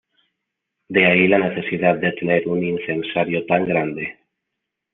De ahí la necesidad de tener un incensario tan grande.